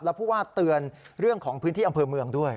แล้วผู้ว่าเตือนเรื่องของพื้นที่อำเภอเมืองด้วย